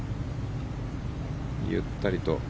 ゆったりと。